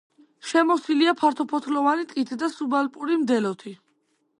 შემოსილია ფართოფოთლოვანი ტყით და სუბალპური მდელოთი.